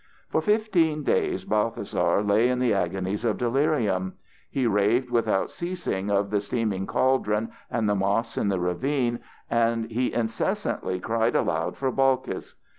For fifteen days Balthasar lay in the agonies of delirium. He raved without ceasing of the steaming cauldron and the moss in the ravine, and he incessantly cried aloud for Balkis.